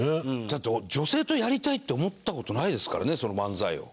だって俺女性とやりたいって思った事ないですからね漫才を。